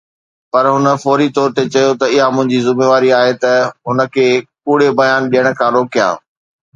پر هن فوري طور تي چيو ته اها منهنجي ذميواري آهي ته هن کي ڪوڙي بيان ڏيڻ کان روڪيان.